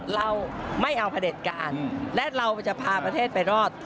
เราไม่เอาพระเด็จการและเราจะพาประเทศไปรอด